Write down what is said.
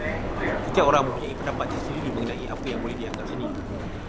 Setiap orang mempunyai pendapat tersendiri mengenai apa yang boleh dianggap seni.